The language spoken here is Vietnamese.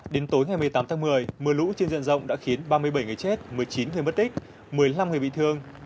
đến tối ngày một mươi tám tháng một mươi mưa lũ trên diện rộng đã khiến ba mươi bảy người chết một mươi chín người mất tích một mươi năm người bị thương